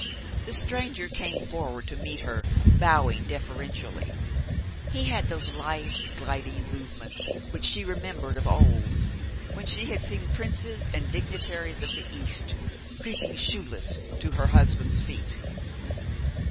The stranger came forward to meet her, bowing deferentially. He had those lithe, gliding movements which she remembered of old, when she had seen princes and dignitaries of the East creeping shoeless to her husband's feet.